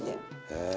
へえ。